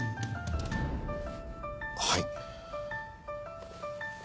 はい。